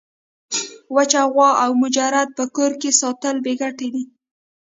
وچه غوا او مجرد په کور کي ساتل بې ګټي دي.